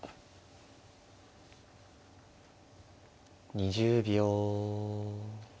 ２０秒。